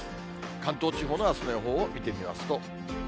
関東地方のあすの予報を見てみますと。